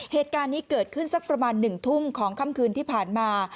เหตุการณ์นี้เกิดขึ้นสักประมาณ๑ทุ่มของค่ำคืนที่ผ่านมา